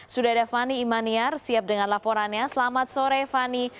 sudah ada fani imaniar siap dengan laporannya selamat sore fani